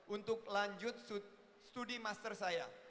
untuk lanjut studi master saya